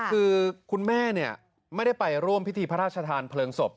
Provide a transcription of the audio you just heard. คือคุณแม่ไม่ได้ไปร่วมพิธีพระราชทานเพลิงศพ